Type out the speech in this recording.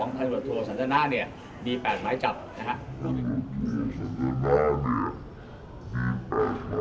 ในการมีเบอร์สูทชอบนะฮะ